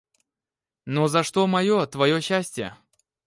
Но за что мое, твое счастие?..